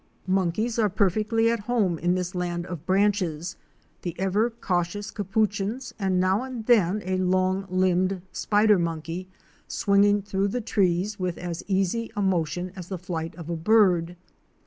Monkeys are perfectly at home in this land of branches, the ever cautious capuchins and now and then a long limbed spider monkey swinging through the trees with as easy a motion as the flight of a bird.